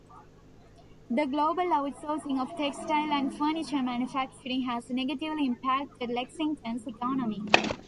The global outsourcing of textile and furniture manufacturing has negatively impacted Lexington's economy.